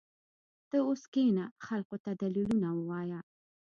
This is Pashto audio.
ته اوس کښېنه خلقو ته دليلونه ووايه.